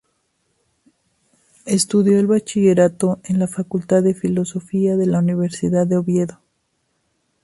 Estudió el bachillerato en la Facultad de Filosofía de la Universidad de Oviedo.